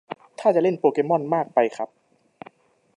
ท่าจะเล่นโปเกม่อนมากไปครับ